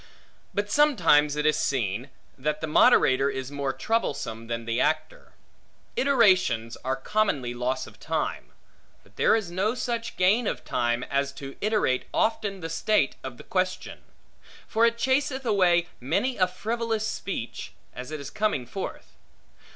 But sometimes it is seen, that the moderator is more troublesome, than the actor. Iterations are commonly loss of time. But there is no such gain of time, as to iterate often the state of the question; for it chaseth away many a frivolous speech, as it is coming forth.